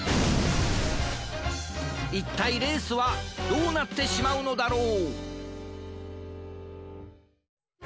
いったいレースはどうなってしまうのだろう？